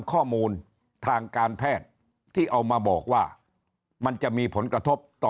ข้อมูลทางการแพทย์ที่เอามาบอกว่ามันจะมีผลกระทบต่อ